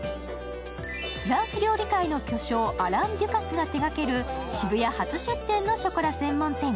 フランス料理界の巨匠、アラン・デュカスが手がける渋谷初出店のショコラ専門店。